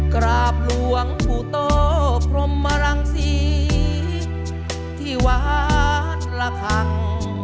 กราบหลวงปุธโตพรหมรังสีที่วัดละครัง